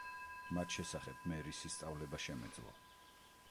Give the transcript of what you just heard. მათ შესახებ მე რისი სწავლება შემეძლო?